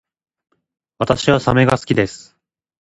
私はサメが好きです